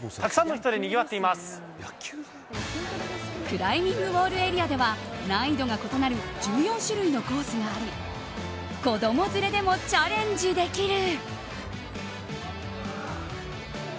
クライミングウォールエリアでは難易度が異なる１４種類のコースがあり子供連れでもチャレンジできる。